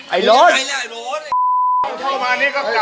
ไอ้โล๊ด